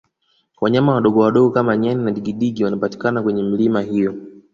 wanyama wadogowadogo kama nyani na digidigi wanapatikana kwenye milima hiyo